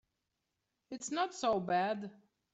It's not so bad.